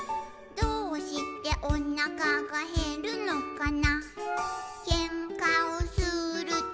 「どうしておなかがへるのかな」